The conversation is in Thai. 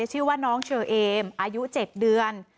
ชื่อว่าน้องเชอเอมอายุ๗เดือน